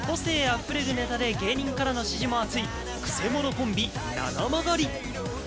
１５年目、個性あふれるネタで芸人からの支持も厚いくせ者コンビ・ななまがり。